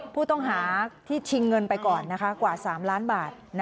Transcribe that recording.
ผู้ต้องหาที่ชิงเงินไปก่อนกว่า๓ล้านบาท